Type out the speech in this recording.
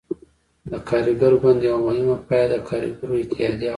د کارګر ګوند یوه مهمه پایه د کارګرو اتحادیه وه.